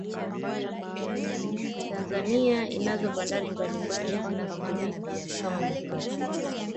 Tanzania inazo bandari mbalimbali zinazotumika kama mipaka